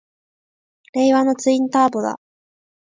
令和のツインターボだ！